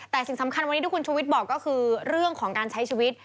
แต่สิ่งสำคัญวันนี้ที่คุณชูวิทย์บอกก็คือเรื่องของการใช้ชีวิต